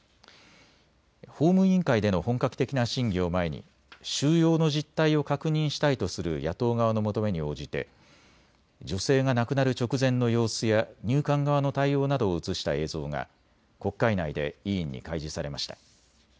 法務委員会での本格的な審議を前に収容の実態を確認したいとする野党側の求めに応じて女性が亡くなる直前の様子や入管側の対応などを写した映像が国会内で委員に開示されました。